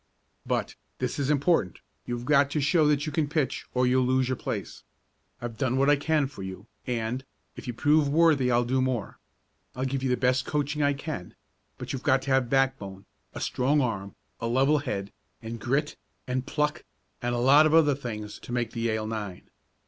"But this is important you've got to show that you can pitch or you'll lose your place. I've done what I can for you, and, if you prove worthy I'll do more. I'll give you the best coaching I can but you've got to have backbone, a strong arm, a level head, and grit, and pluck, and a lot of other things to make the Yale nine.